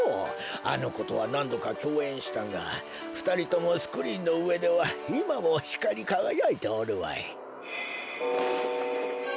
あのことはなんどかきょうえんしたがふたりともスクリーンのうえではいまもひかりかがやいておるわい。